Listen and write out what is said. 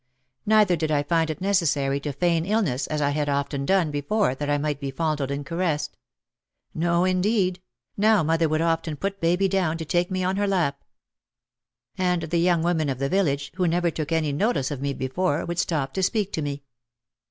5 Neither did I find it necessary to feign illness as I had often done before that I might be fondled and caressed. No, indeed; now mother would often put baby down to take me on her lap. And the young women of the village, who never took any notice of me before, would stop to speak to me.